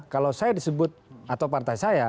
kalau saya disebut atau partai saya